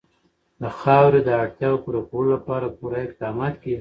د خاورې د اړتیاوو پوره کولو لپاره پوره اقدامات کېږي.